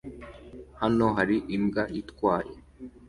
Hano hari imbwa itwaye